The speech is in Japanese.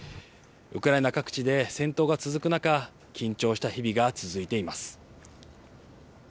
ウクライナ各地で戦闘が続く中、緊張した日々が続いています。